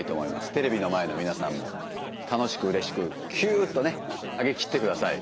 テレビの前の皆さんも楽しくうれしくきゅっとね上げきってください。